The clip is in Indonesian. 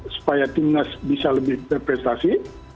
supaya timnas bisa lebih berprestasi